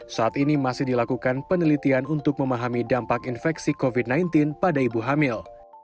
saat ini masih dilakukan penelitian untuk memahami dampak infeksi covid sembilan belas pada ibu hamil